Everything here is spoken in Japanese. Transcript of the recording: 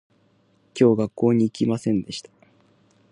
今日学校に行きませんでした